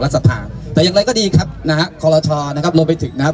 สภาแต่อย่างไรก็ดีครับนะฮะคอลชอนะครับรวมไปถึงนะครับ